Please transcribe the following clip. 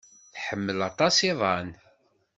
Tḥemmel aṭas iḍan.